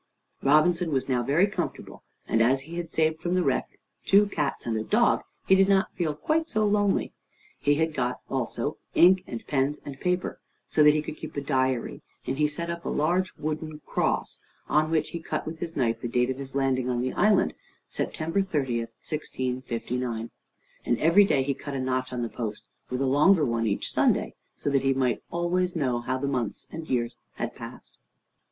Robinson was now very comfortable, and as he had saved from the wreck two cats and a dog, he did not feel quite so lonely. He had got, also, ink and pens and paper, so that he could keep a diary; and he set up a large wooden cross, on which he cut with his knife the date of his landing on the island September 30, 1659; and every day he cut a notch on the post, with a longer one each Sunday, so that he might always know how the months and years passed.